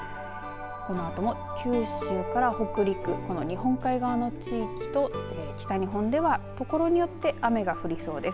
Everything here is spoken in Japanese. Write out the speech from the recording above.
このあとも九州から北陸この日本海側の地域と北日本ではところによって雨が降りそうです。